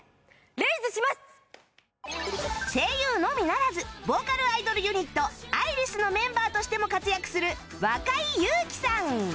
声優のみならずボーカルアイドルユニット ｉ☆Ｒｉｓ のメンバーとしても活躍する若井友希さん